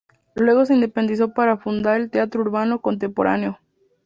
Luego se independizó para fundar el Teatro Urbano Contemporáneo.